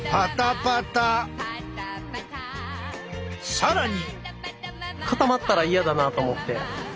更に！